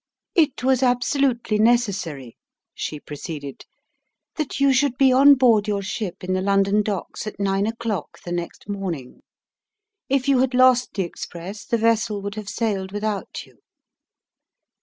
"It was absolutely necessary," she proceeded, "that you should be on board your ship in the London docks at nine o'clock the next morning. If you had lost the express the vessel would have sailed without you."